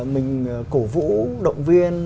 mình cổ vũ động viên